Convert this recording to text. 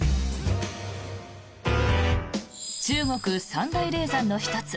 中国三大霊山の１つ